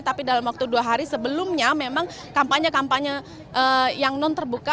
tapi dalam waktu dua hari sebelumnya memang kampanye kampanye yang non terbuka